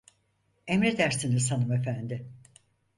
Emredersiniz hanımefendi.